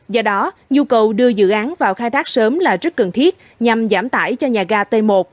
do đó nhu cầu đưa dự án vào khai thác sớm là rất cần thiết nhằm giảm tải cho nhà ga t một